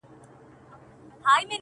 تا ولې دا د دې دنيا جنت خاورې ايرې کړ؛